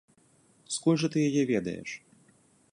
Скуль жа ты яе ведаеш?